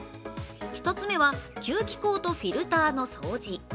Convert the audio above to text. １つ目は吸気口とフィルターの掃除。